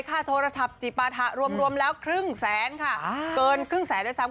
ค่าโทรศัพท์จิปาถะรวมแล้วครึ่งแสนค่ะเกินครึ่งแสนด้วยซ้ำ